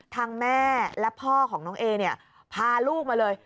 ทางแม่และพ่อของน้องเอพาลูกมาเลย